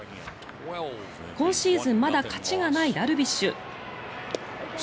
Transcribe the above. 今シーズン、まだ勝ちがないダルビッシュ。